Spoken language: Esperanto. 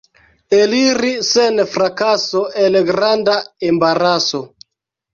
Eliri sen frakaso el granda embaraso.